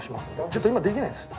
ちょっと今できないです。